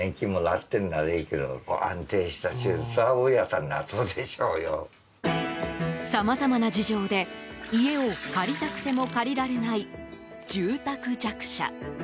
さまざまな事情で家を借りたくても借りられない住宅弱者。